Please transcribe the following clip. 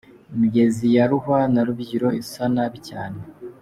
Imigezi ya Ruhwa na Rubyiro isa nabi cyane.